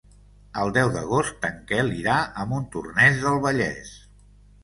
El deu d'agost en Quel irà a Montornès del Vallès.